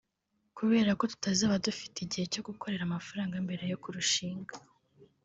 kubera ko tutazaba dufite igihe cyo gukorera amafaranga mbere yo kurushinga